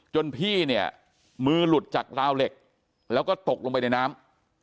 พี่เนี่ยมือหลุดจากราวเหล็กแล้วก็ตกลงไปในน้ำ